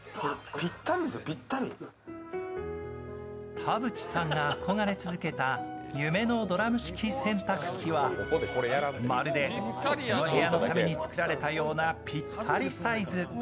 田渕さんが憧れ続けた夢のドラム式洗濯機はまるでこの部屋のためにつくられたようなぴったりサイズ。